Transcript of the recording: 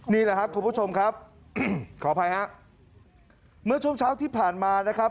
นี่แหละครับคุณผู้ชมครับขออภัยฮะเมื่อช่วงเช้าที่ผ่านมานะครับ